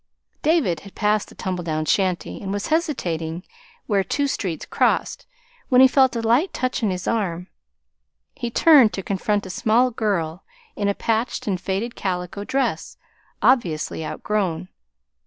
David had passed the tumble down shanty, and was hesitating where two streets crossed, when he felt a light touch on his arm. He turned to confront a small girl in a patched and faded calico dress, obviously outgrown.